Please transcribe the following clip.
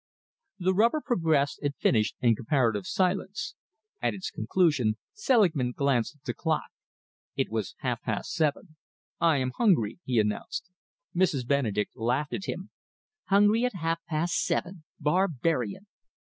The rubber progressed and finished in comparative silence. At its conclusion, Selingman glanced at the clock. It was half past seven. "I am hungry," he announced. Mrs. Benedek laughed at him. "Hungry at half past seven! Barbarian!"